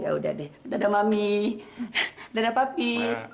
ya udah deh dadah mami dadah papi